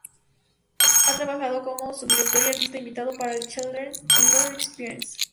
Ha trabajado como subdirector y artista invitado para el "Children's Theatre Experience".